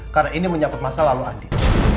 karena ini menyangkut masa lalu andin